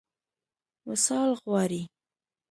وصال غواړي.